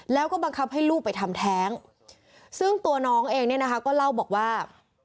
แล้วก็บังคับให้ลูกไปทำแท้งซึ่งตัวน้องเองเนี่ยนะคะก็เล่าบอกว่า